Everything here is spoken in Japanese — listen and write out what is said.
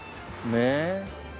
ねえ。